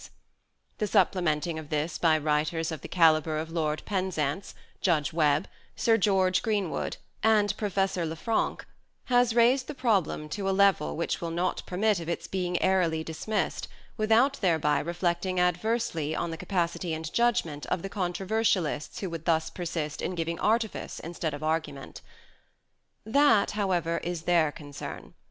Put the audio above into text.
23 24 " SHAKESPEARE " IDENTIFIED The supplementing of this by writers of the calibre of Lord Penzance, Judge Webb, Sir George Greenwood, and Professor Lefranc has raised the problem to a level which will not permit of its being airily dis missed without thereby reflecting adversely on the capacity and judgment of the controversialists who would thus persist in giving artifice instead of argument. That, however, is their concern.